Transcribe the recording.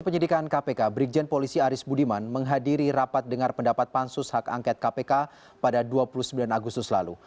penyidikan kpk brigjen polisi aris budiman menghadiri rapat dengar pendapat pansus hak angket kpk pada dua puluh sembilan agustus lalu